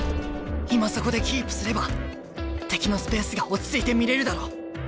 今そこでキープすれば敵のスペースが落ち着いて見れるだろ。